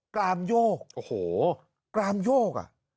กรามโยกโอ้โหกรามโยกอ่ะ